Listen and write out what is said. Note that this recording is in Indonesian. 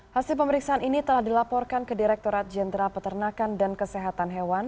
hasil pemeriksaan ini telah dilaporkan ke direkturat jenderal peternakan dan kesehatan hewan